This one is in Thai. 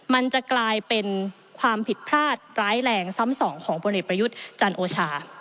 มันจะกลายเป็นความผิดพลาดร้ายแรงซ้ำสองของพลเอกประยุทธ์จันโอชา